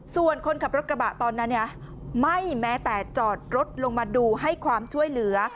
ส่วนคนขับรถกระบะตอนนั้นไม่แม้แต่จอดรถลงมาดูให้ความช่วยเหลือ